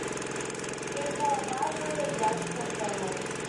He is from a Bihari Rajput family.